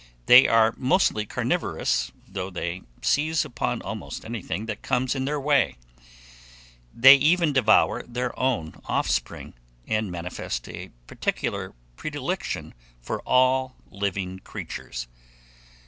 They are mostly carnivorous, though they seize upon almost anything that comes in their way: they even devour their own offspring, and manifest a particular predilection for all living creatures.